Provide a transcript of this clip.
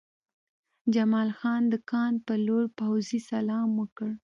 جمال خان د کان په لور پوځي سلام وکړ